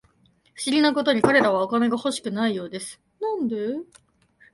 不思議なことに、彼らはお金が欲しくないようです